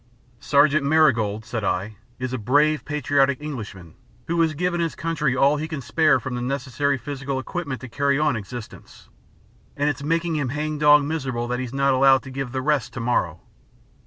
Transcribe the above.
"Sergeant Marigold," said I, "is a brave, patriotic Englishman who has given his country all he can spare from the necessary physical equipment to carry on existence; and it's making him hang dog miserable that he's not allowed to give the rest to morrow.